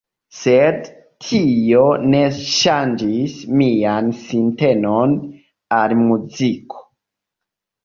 Sed tio ne ŝanĝis mian sintenon al muziko.